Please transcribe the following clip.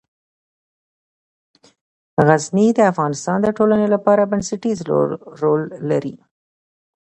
غزني د افغانستان د ټولنې لپاره بنسټيز رول لري.